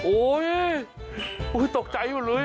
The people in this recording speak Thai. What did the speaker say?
โอ้ยตกใจอยู่เลย